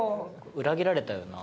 裏切られたよな。